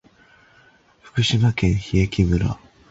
福島県檜枝岐村